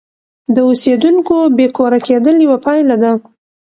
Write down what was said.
د اوسیدونکو بې کوره کېدل یوه پایله ده.